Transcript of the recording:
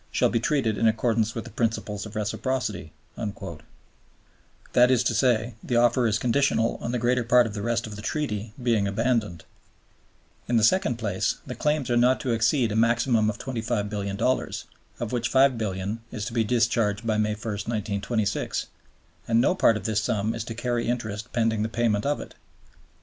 shall be treated in accordance with the principle of reciprocity"; that is to say, the offer is conditional on the greater part of the rest of the Treaty being abandoned. In the second place, the claims are not to exceed a maximum of $25,000,000,000, of which $5,000,000,000 is to be discharged by May 1, 1926; and no part of this sum is to carry interest pending the payment of it.